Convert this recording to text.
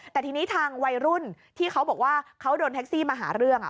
แต่ทีนี้ทางวัยรุ่นที่เขาบอกว่าเขาโดนแท็กซี่มาหาเรื่อง